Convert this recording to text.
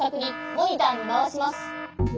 モニターにまわします。